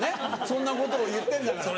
そんなことを言ってんだから。